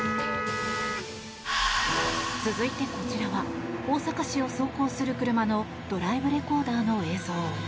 続いて、こちらは大阪市を走行する車のドライブレコーダーの映像。